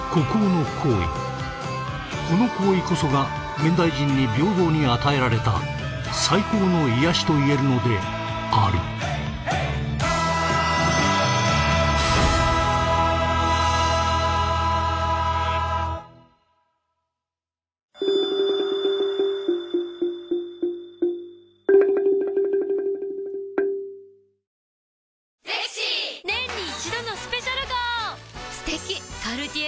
この行為こそが現代人に平等に与えられた最高の癒やしといえるのであるうん